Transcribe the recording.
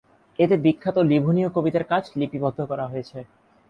এতে বিখ্যাত লিভুনীয় কবিদের কাজ লিপিবদ্ধ করা হয়েছে।